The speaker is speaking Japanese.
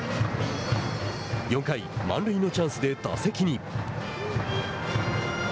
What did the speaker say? ４回満塁のチャンスで打席に。